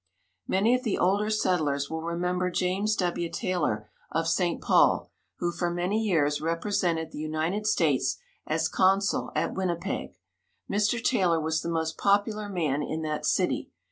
Many of the older settlers will remember James W. Taylor of St. Paul, who, for many years, represented the United States as consul at Winnipeg. Mr. Taylor was the most popular man in that city.